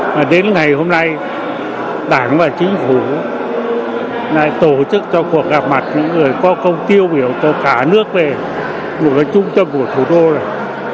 mà đến ngày hôm nay đảng và chính phủ đã tổ chức cho cuộc gặp mặt những người có công tiêu biểu cho cả nước về dù là trung tâm của thủ đô này